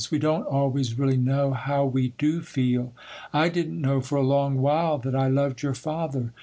We don't always really know how we do feel. I didn't know, for a long while, that I loved your father.